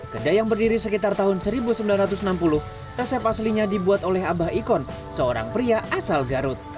kedai yang berdiri sekitar tahun seribu sembilan ratus enam puluh resep aslinya dibuat oleh abah ikon seorang pria asal garut